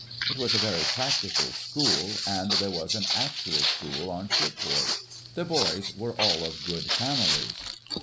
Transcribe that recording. It was a very practical school and there was an actual school on shipboard. The boys were all of good families.